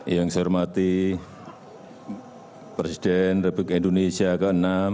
yang saya hormati presiden republik indonesia ke enam